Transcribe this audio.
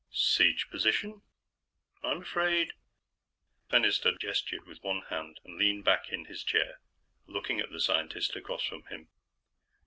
"Siege Position? I'm afraid " Fennister gestured with one hand and leaned back in his chair, looking at the scientist across from him.